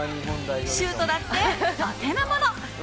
シュートだってお手のもの。